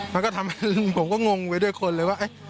มันก็ทำให้ผมก็งงไปด้วยคนเลยว่า